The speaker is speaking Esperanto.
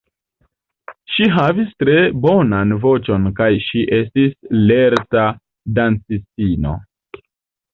Ŝi havis tre bonan voĉon kaj ŝi estis lerta dancistino.